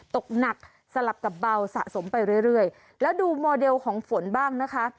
ตกหนักสลับกับเบาสะสมไปเรื่อยเรื่อยแล้วดูโมเดลของฝนบ้างนะคะ